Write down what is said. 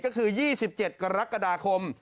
ก็คือ๒๗กรกฎาคม